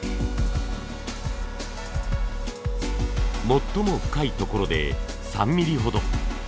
最も深いところで３ミリほど。